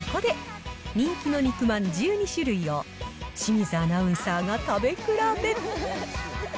そこで、人気の肉まん１２種類を清水アナウンサーが食べ比べ。